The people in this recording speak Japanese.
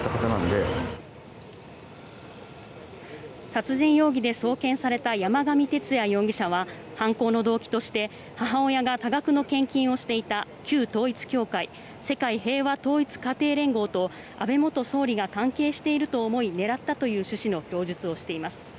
殺人容疑で送検された山上徹也容疑者は犯行の動機として母親が多額の献金をしていた旧統一教会世界平和統一家庭連合と安倍元総理が関係していると思い狙ったという趣旨の供述をしています。